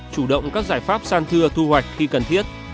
chủ động các giải pháp san thưa thu hoạch khi cần thiết